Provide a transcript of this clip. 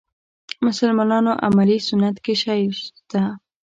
مسلمانانو عملي سنت کې شی شته.